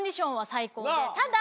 ただ。